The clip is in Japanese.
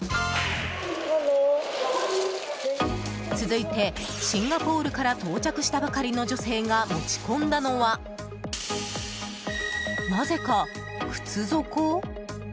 続いて、シンガポールから到着したばかりの女性が持ち込んだのは、なぜか靴底？